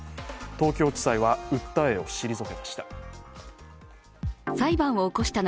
東京地裁は訴えを退けました。